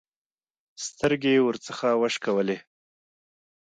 سترګې يې ورڅخه وشکولې.